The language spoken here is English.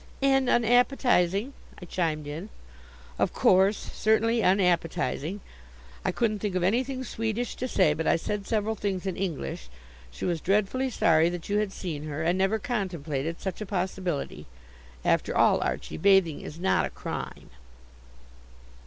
"And unappetizing!" I chimed in. "Of course certainly unappetizing. I couldn't think of anything Swedish to say, but I said several things in English. She was dreadfully sorry that you had seen her, and never contemplated such a possibility. After all, Archie, bathing is not a crime."